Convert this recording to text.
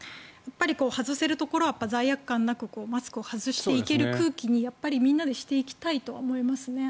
外せるところは罪悪感なくマスクを外していける空気にやっぱりみんなでしていきたいとは思いますね。